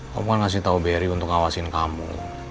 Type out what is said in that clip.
kamu kan ngasih tau barry untuk ngawasin kamu